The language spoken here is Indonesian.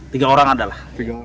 tiga orang ada lah